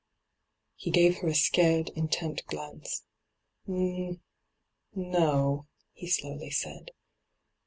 He gave her a soared, intent glance. ' N no,' he slowly said.